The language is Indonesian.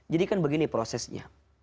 jadi kan begini prosesnya